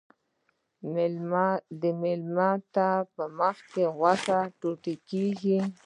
د میلمه په مخکې غوښه ټوټه کیږي.